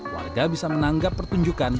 warga bisa menanggap pertunjukan